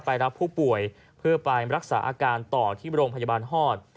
รับผู้ป่วยเพื่อไปรักษาอาการต่อที่โรงพยาบาลฮอด